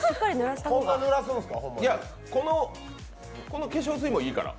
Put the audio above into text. この化粧水もいいから。